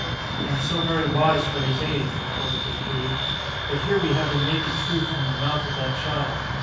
"And so very wise for his age," retorted Decoud. "But here we have the naked truth from the mouth of that child.